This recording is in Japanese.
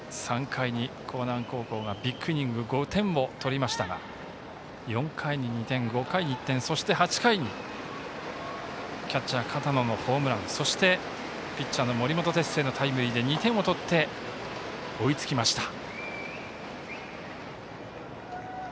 ３回に興南高校がビッグイニング５点を取りましたが４回に２点、５回に１点そして８回にキャッチャー、片野のホームランそしてピッチャーの森本哲星のタイムリーで２点を取って、追いつきました。